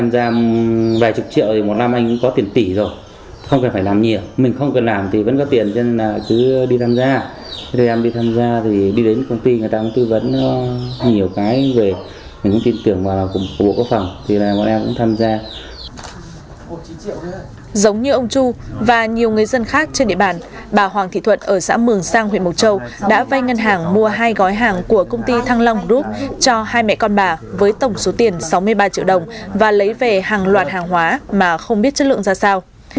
giống như ông chu và nhiều người dân khác trên địa bàn bà hoàng thị thuận ở xã mường sang huyện mộc châu đã vay ngân hàng mua hai gói hàng của công ty thăng long group cho hai mẹ con bà với tổng số tiền sáu mươi ba triệu đồng và lấy về hàng loạt hàng hóa mà không biết chất lượng ra sao